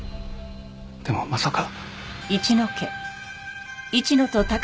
でもまさか。